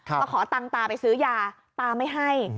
เขาขอตังค์ตาไปซื้อยาวันนี้ขนาดไม่ให้